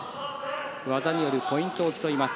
技によるポイントを競います。